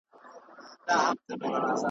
په خپل زړه یې د دانې پر لور ګزر سو .